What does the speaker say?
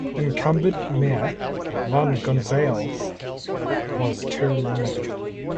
Incumbent mayor Ron Gonzales was term limited.